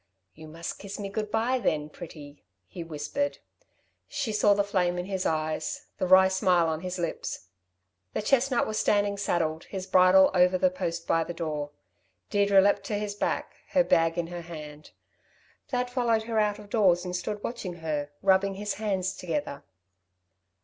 "You must kiss me good bye then, pretty," he whispered. She saw the flame in his eyes, the wry smile on his lips. The chestnut was standing saddled, his bridle over the post by the door. Deirdre leapt to his back, her bag in her hand. Thad followed her out of doors and stood watching her, rubbing his hands together.